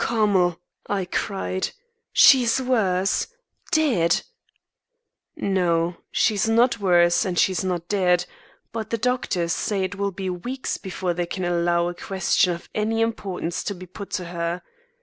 "Carmel!" I cried. "She is worse dead!" "No. She's not worse and she's not dead. But the doctors say it will be weeks before they can allow a question of any importance to be put to her.